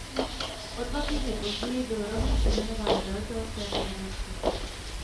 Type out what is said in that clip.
O dva týdny později byl rovněž jmenován velitelem této jednotky.